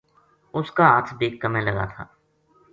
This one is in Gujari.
اس کا ہتھ بے کَمے لگا تھا